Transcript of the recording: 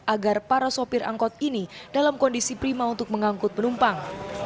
agar para sopir angkot ini dalam kondisi prima untuk mengangkut penumpang